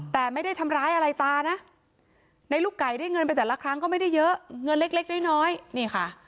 แต่ไม่ได้ทำร้ายอะไรตานะในลูกไก่ได้เงินไปแต่ละครั้งก็ไม่ได้เยอะเงินเล็กน้อยนี่ค่ะ